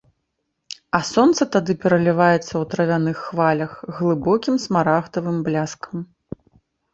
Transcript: А сонца тады пераліваецца ў травяных хвалях глыбокім смарагдавым бляскам.